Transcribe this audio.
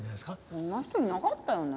こんな人いなかったよね？